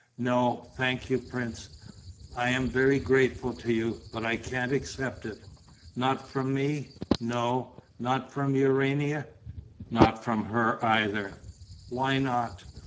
"No, thank you, prince. I am very grateful to you, but I can't accept it." "Not from me?" "No." "Not from Urania?" "Not from her either." "Why not?"